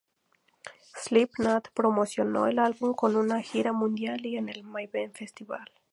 Slipknot promocionó el álbum con una gira mundial y en el Mayhem Festival.